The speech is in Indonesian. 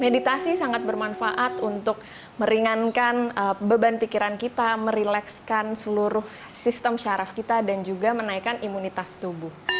meditasi sangat bermanfaat untuk meringankan beban pikiran kita merelekskan seluruh sistem syaraf kita dan juga menaikkan imunitas tubuh